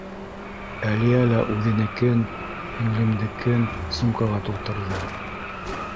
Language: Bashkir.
Әлиә лә үҙенекен, һеңлемдекен сумкаға тултырҙы.